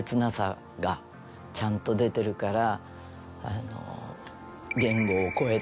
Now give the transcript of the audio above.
がちゃんと出てるから。